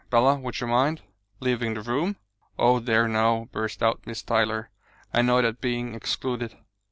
Bella, would you mind " "Leaving the room? Oh, dear, no!" burst out Miss Tyler, annoyed at being excluded.